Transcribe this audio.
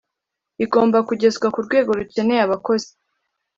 igomba kugezwa ku rwego rukeneye abakozi